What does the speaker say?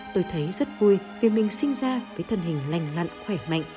tôi thấy rất vui vì mình sinh ra với thân hình lành lặn khỏe mạnh